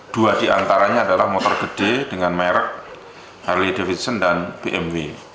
dua diantaranya adalah motor gede dengan merek harley davidson dan pmw